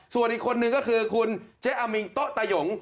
ส่วนอีกคนนึงก็คือคุณเจ๊อามิงโต๊ะตายง